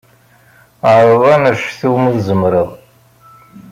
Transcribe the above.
Ɛreḍ anect umi tzemreḍ.